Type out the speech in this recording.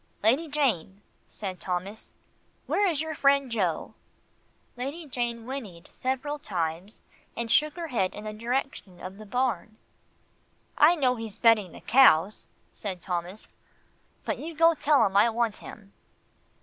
"Lady Jane," said Thomas, "where is your friend Joe?" Lady Jane whinnied several times, and shook her head in the direction of the barn. "I know he's bedding the cows," said Thomas, "but you go tell him I want him."